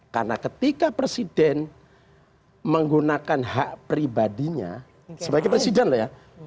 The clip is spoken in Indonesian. karena ketika presiden menggunakan hak pribadinya sebagai presiden loh ya